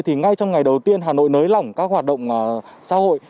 thì ngay trong ngày đầu tiên hà nội nới lỏng các hoạt động xã hội